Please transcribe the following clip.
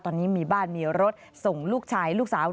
ตอนนี้มีบ้านมีรถส่งลูกชายลูกสาว